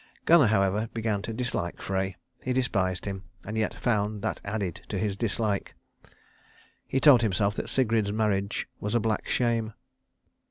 Gunnar, however, began to dislike Frey. He despised him, and yet found that added to his dislike. He told himself that Sigrid's marriage was a black shame.